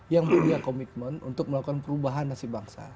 yang punya komitmen untuk melakukan perubahan nasib bangsa